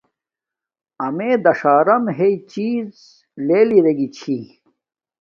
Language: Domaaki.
امیے داݽارم ہیݵ چیزݵ لیل اراگی چھی